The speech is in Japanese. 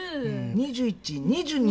２１２２。